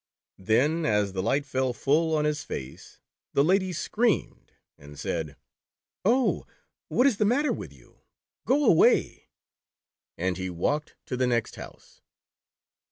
Then as the light fell full on his face, the lady screamed and said :" Oh, what is the matter with you ? The Toad Boy. 189 Go away." And he walked to the next house.